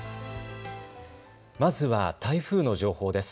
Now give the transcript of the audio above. まずは台風の情報です。